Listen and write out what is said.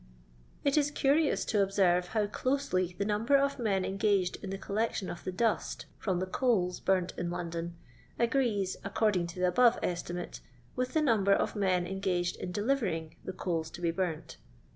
It is curious to observe how closely the num ber of men engaged in the collection of the dust " from the coals burnt in London agrees, according to the above estimate, with the number of men engaged in delivering the coals to be burnt.